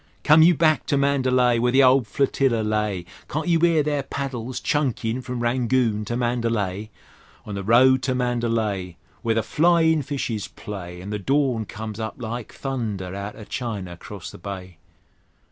Come you back to Mandalay, Where the old Flotilla lay: Can't you 'ear their paddles chunkin' from Rangoon to Mandalay? On the road to Mandalay, Where the flyin' fishes play, An' the dawn comes up like thunder outer China 'crost the Bay!